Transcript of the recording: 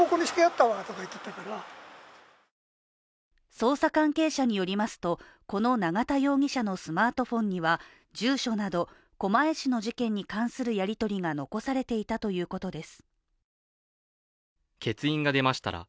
捜査関係者によりますと、この永田容疑者のスマートフォンには住所など、狛江市の事件に関するやり取りが残されていたということです。